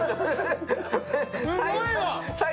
すごいわ！